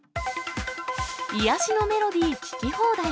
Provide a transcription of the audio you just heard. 癒やしのメロディー聞き放題。